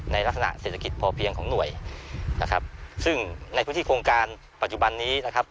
ในลักษณะเศรษฐกิจพอเพียงของหน่วยนะครับซึ่งในพื้นที่โครงการปัจจุบันนี้นะครับ